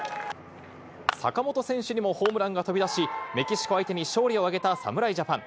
坂本選手にもホームランが飛び出し、メキシコ相手に勝利を挙げた侍ジャパン。